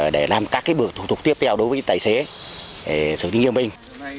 để làm các bước thủ thuật tiếp theo đối với tài xế sự nghiêm binh